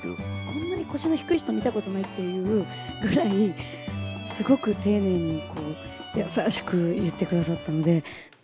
こんなに腰の低い人見たことないっていうぐらい、すごく丁寧に、優しく言ってくださったので。